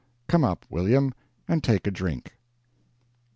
Come up, William, and take a drink.